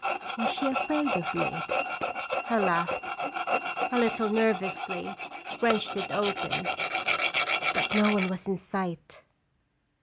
Was she afraid of me? I laughed, a little nervously, wrenched it open but no one was in sight!